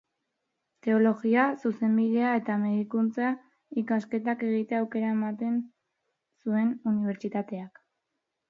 Teologia, Zuzenbidea eta Medikuntza ikasketak egitea aukera ematen zuen unibertsitateak.